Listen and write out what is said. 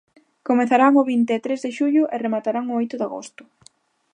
Comezarán o vinte e tres de xullo e rematarán o oito de agosto.